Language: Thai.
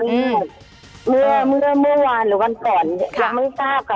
เมื่อวานหรือวันก่อนเราไม่ทราบค่ะ